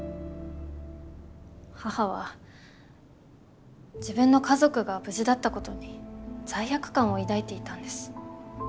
母は自分の家族が無事だったことに罪悪感を抱いていたんです。